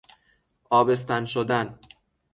آبستن شدن